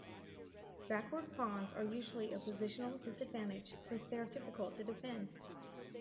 Backward pawns are usually a positional disadvantage since they are difficult to defend.